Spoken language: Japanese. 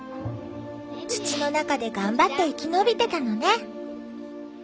土の中で頑張って生き延びてたのね。